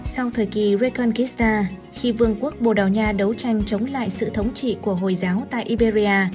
sau thời kỳ reconquista khi vương quốc bồ đào nha đấu tranh chống lại sự thống trị của hồi giáo tại iberia